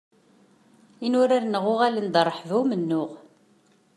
Inurar-nneɣ uɣalen d rreḥba n umennuɣ.